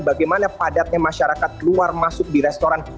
bagaimana padatnya masyarakat keluar masuk di restoran